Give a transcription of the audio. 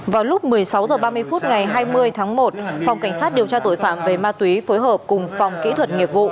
vào lúc một mươi sáu h ba mươi phút ngày hai mươi tháng một phòng cảnh sát điều tra tội phạm về ma túy phối hợp cùng phòng kỹ thuật nghiệp vụ